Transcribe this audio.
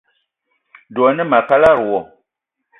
Dwé a ne ma a kalada wo.